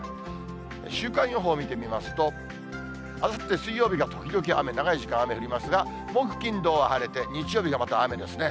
週間予報見てみますと、あさって水曜日が時々雨、長い時間、雨降りますが、木、金、土は晴れて、日曜日がまた雨ですね。